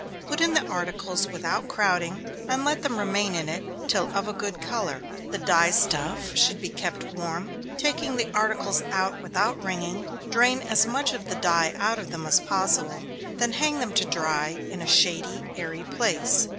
Put in the articles without crowding, and let them remain in it till of a good color the dye stuff should be kept warm take the articles out without wringing, drain as much of the dye out of them as possible, then hang them to dry in a shady, airy place.